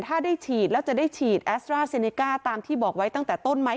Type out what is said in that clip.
ถ้าได้ฉีดแล้วจะได้ฉีดแอสตราเซเนก้าตามที่บอกไว้ตั้งแต่ต้นไหม